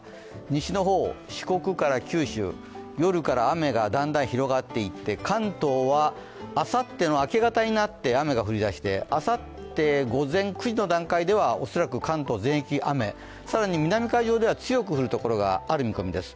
西の方、四国から九州、夜から雨がだんだん広がっていって関東はあさっての明け方になって雨が降りだしてあさって午前９時の段階では恐らく関東全域雨更に南海上では強く降るところがある見込みです。